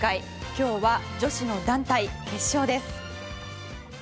今日は女子の団体決勝です。